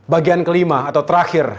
bagian kelima atau terakhir